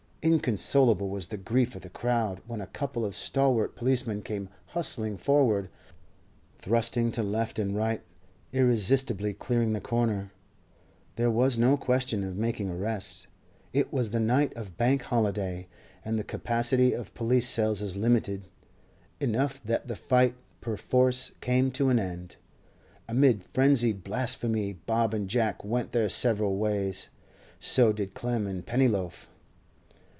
Inconsolable was the grief of the crowd when a couple of stalwart policemen came hustling forward, thrusting to left and right, irresistibly clearing the corner. There was no question of making arrests; it was the night of Bank holiday, and the capacity of police cells is limited. Enough that the fight perforce came to an end. Amid frenzied blasphemy Bob and Jack went their several ways; so did Clem and Pennyloaf.